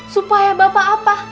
supaya bapak apa